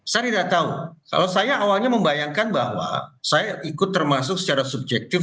saya tidak tahu kalau saya awalnya membayangkan bahwa saya ikut termasuk secara subjektif